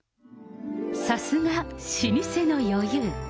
さすが老舗の余裕。